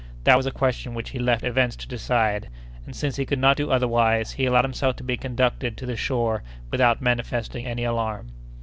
That was a question which he left events to decide; and, since he could not do otherwise, he allowed himself to be conducted to the shore without manifesting any alarm.